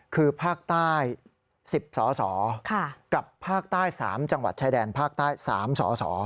คือภาคใต้๑๐สสกับภาคใต้๓จังหวัดชายแดนภาคใต้๓สส